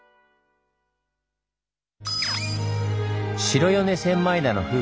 白米千枚田の風